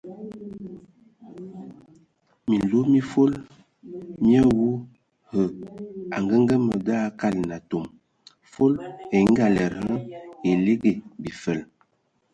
Minlo mi fol mi awu hm angəngəmə da akalɛn atɔm, fol e ngalɛdə e ligi bifəl.